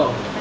à đúng rồi